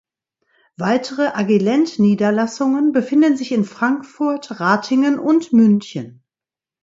Weitere Agilent-Niederlassungen befinden sich in Frankfurt, Ratingen und München.